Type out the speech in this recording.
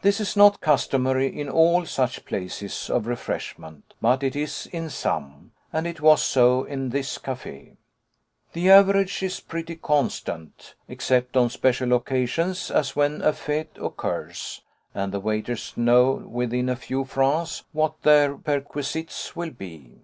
This is not customary in all such places of refreshment, but it is in some, and it was so in this café. The average is pretty constant, except on special occasions, as when a fête occurs; and the waiters know within a few francs what their perquisites will be.